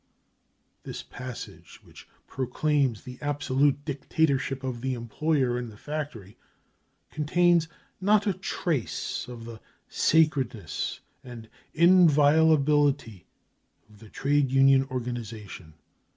55 This passage, which proclaims the absolute dictatorship of the employer in the factory, contains not a trace of the <c sacredness 55 and cc inviolability 55 of the trade union organisation.